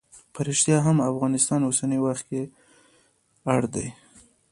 په ریښتیا هم افغانستان اوسنی وخت کې اړ دی.